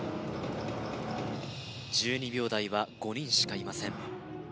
１２秒台は５人しかいません